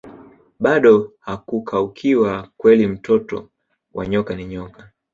bado hakukaukiwa kweli mtoto wa nyoka ni nyoka